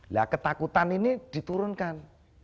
nah ketakutan ini diturunkan